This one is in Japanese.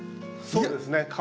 そうですね